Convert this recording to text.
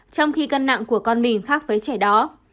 trong khi cân nặng của con mình khác với trẻ đó